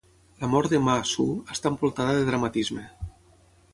La mort de Ma Su està envoltada de dramatisme.